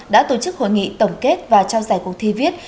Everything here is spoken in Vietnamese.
đã tổ chức hội nghị tổng kết và trao giải cuộc thi viết